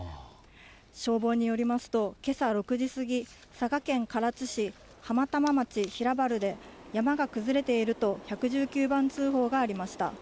消防によりますと、けさ６時過ぎ、佐賀県唐津市浜玉町平原で山が崩れていると１１９番通報がありました。